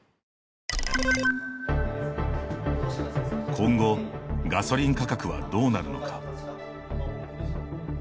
今後、ガソリン価格はどうなるのか。